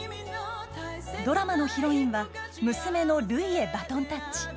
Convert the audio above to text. ドラマのヒロインは娘のるいへバトンタッチ。